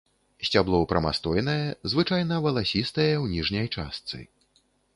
Сцябло прамастойнае, звычайна валасістае ў ніжняй частцы.